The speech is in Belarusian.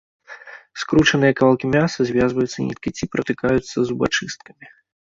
Скручаныя кавалкі мяса звязваюцца ніткай, ці пратыкаюцца зубачысткамі.